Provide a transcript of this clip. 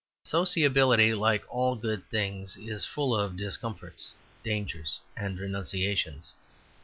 Sociability, like all good things, is full of discomforts, dangers, and renunciations.